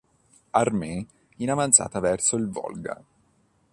Armee in avanzata verso il Volga.